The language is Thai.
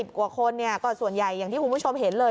กว่าคนก็ส่วนใหญ่อย่างที่คุณผู้ชมเห็นเลย